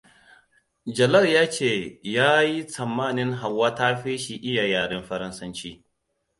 Jalal ya ce ya yi tsammanin Hauwa ta fi shi iya yaren Faransanci.